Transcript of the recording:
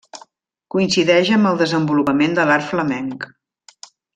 Coincideix amb el desenvolupament de l'art flamenc.